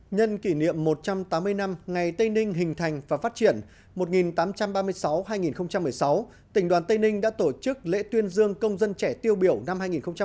nhân kỷ niệm một trăm tám mươi năm ngày tây ninh hình thành và phát triển một nghìn tám trăm ba mươi sáu hai nghìn một mươi sáu tỉnh đoàn tây ninh đã tổ chức lễ tuyên dương công dân trẻ tiêu biểu năm hai nghìn một mươi tám